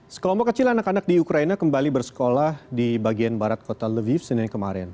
sekelompok kecil anak anak di ukraina kembali bersekolah di bagian barat kota loviv senin kemarin